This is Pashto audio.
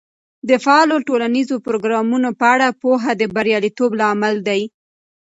د فعالو ټولنیزو پروګرامونو په اړه پوهه د بریالیتوب لامل دی.